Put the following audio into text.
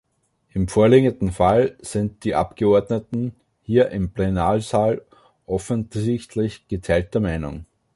Im vorliegenden Fall sind die Abgeordneten hier im Plenarsaal offensichtlich geteilter Meinung.